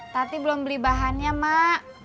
tapi belum beli bahannya mak